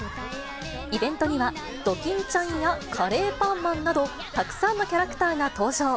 イベントには、ドキンちゃんやカレーパンマンなど、たくさんのキャラクターが登場。